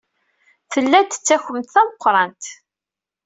Tella-d d takunt tameqrant.